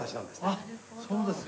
あっそうですか。